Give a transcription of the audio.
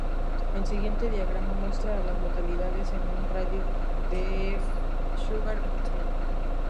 El siguiente diagrama muestra a las localidades en un radio de de Sugar Mountain.